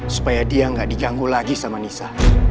supaya dia gak diganggu lagi sama nisa